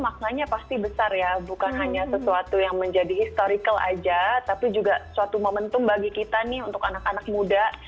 maknanya pasti besar ya bukan hanya sesuatu yang menjadi historical aja tapi juga suatu momentum bagi kita nih untuk anak anak muda